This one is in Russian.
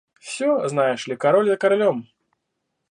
Всё, знаешь ли, король за королем.